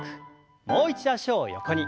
もう一度脚を横に。